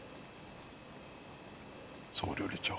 総料理長。